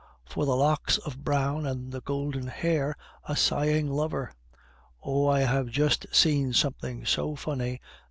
"For the locks of brown and the golden hair A sighing lover... "Oh! I have just seen something so funny